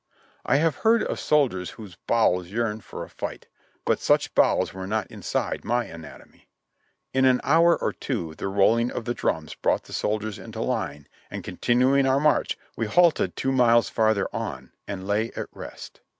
I have heard of soldiers whose "bowels yearned" for a fight, but such "bowels" were not inside of my anatomy. In an hour or two the rolling of the drums brought the soldiers into line, and continuing our march, we halted two miles farther on and lay at rest.